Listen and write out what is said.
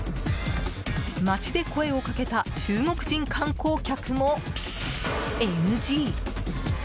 街で声をかけた中国人観光客もＮＧ。